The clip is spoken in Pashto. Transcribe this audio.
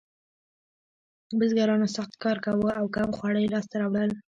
بزګرانو سخت کار کاوه او کم خواړه یې لاسته راوړل.